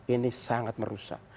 ini sangat merusak